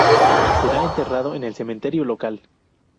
Será enterrado en el cementerio local.